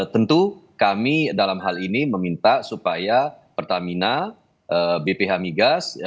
tentu kami dalam hal ini meminta supaya pertamina bph migas